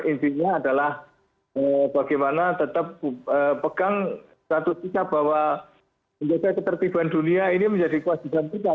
intinya adalah bagaimana tetap pegang satu sikap bahwa menjaga ketertiban dunia ini menjadi kewajiban kita